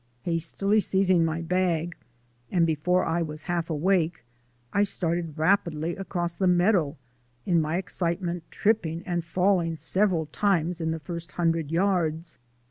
Hastily seizing my bag and before I was half awake I started rapidly across the meadow, in my excitement tripping and falling several times in the first hundred yards.